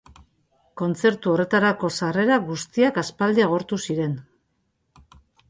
Kontzertu horretarako sarrera guztiak aspaldi agortu ziren.